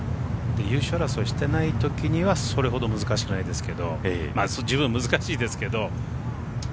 優勝争いしてないときにはそれほど難しくないですけど十分難しいですけど。